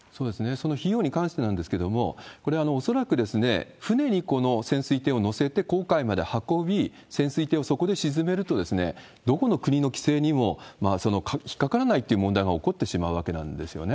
その費用に関してなんですけれども、これは恐らく船にこの潜水艇を載せて、航海まで運び、潜水艇をそこで沈めると、どこの国の規制にも引っ掛からないという問題が起こってしまうわけなんですよね。